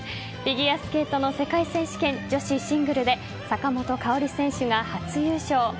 フィギュアスケートの世界選手権女子シングルで坂本花織選手が初優勝。